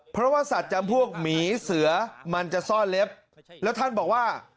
เพราะว่าสัตว์จำพวกหมีเสือมันจะซ่อนเล็บแล้วท่านบอกว่า